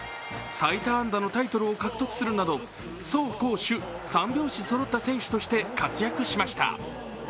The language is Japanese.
最多安打のタイトルを獲得するなど走攻守三拍子そろった選手として活躍しました。